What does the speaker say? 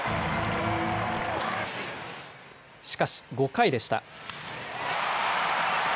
しかし５回でした。